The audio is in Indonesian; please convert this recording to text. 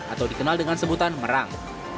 atau dikenal dengan sebutan merang